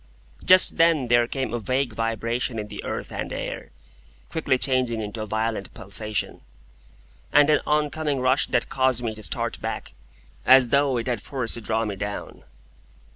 Just then there came a vague vibration in the earth and air, quickly changing into a violent pulsation, and an oncoming rush that caused me to start back, as though it had force to draw me down.